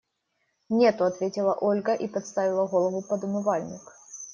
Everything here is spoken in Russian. Нету, – ответила Ольга и подставила голову под умывальник.